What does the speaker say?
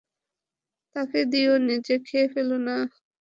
তাকে দিও, নিজে খেয়ে ফেল না।